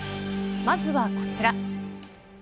まずはこちら。